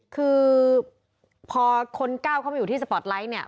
คือพอคนก้าวเข้ามาอยู่ที่สปอร์ตไลท์เนี่ย